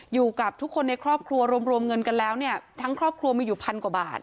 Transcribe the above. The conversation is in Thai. อยู่กับทุกคนในครอบครัวรวมรวมเงินกันแล้วเนี่ยทั้งครอบครัวมีอยู่พันกว่าบาท